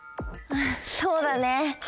そうだね。